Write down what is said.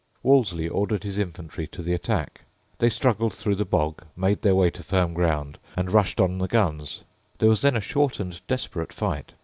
Wolseley ordered his infantry to the attack. They struggled through the bog, made their way to firm ground, and rushed on the guns. There was then a short and desperate fight.